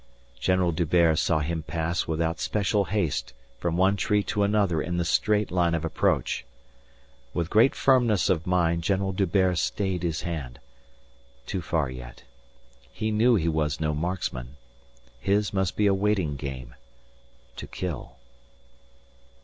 General D'Hubert saw him pass without special haste from one tree to another in the straight line of approach. With great firmness of mind General D'Hubert stayed his hand. Too far yet. He knew he was no marksman. His must be a waiting game to kill.